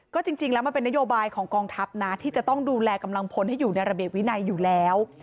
ก็จริงแล้วมันเป็นนโยบายของกองทัพนะที่จะต้องดูแลกำลังพลให้อยู่ในระเบียบวินัยอยู่แล้ว